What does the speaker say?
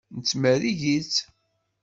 Nettmerrig-itt.